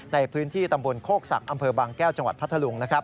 ในพื้นที่ตำบลโคกศักดิ์อำเภอบางแก้วจังหวัดพัทธลุง